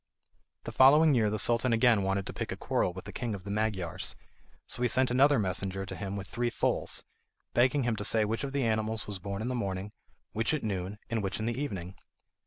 The following year the Sultan again wanted to pick a quarrel with the king of the Magyars, so he sent another messenger to him with three foals, begging him to say which of the animals was born in the morning, which at noon, and which in the evening.